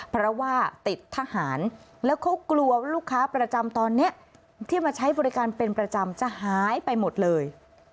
เพราะว่าติดทหารแล้วเขากลัวลูกค้าประจำตอนนี้ที่มาใช้บริการเป็นประจำจะหายไปหมดเลย